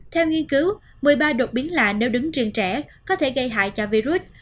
theo nghiên cứu một mươi ba đột biến là nếu đứng riêng trẻ có thể gây hại cho virus